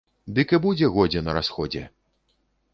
Дык і будзе годзе на расходзе!